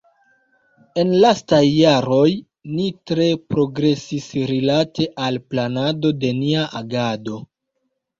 En lastaj jaroj ni tre progresis rilate al planado de nia agado.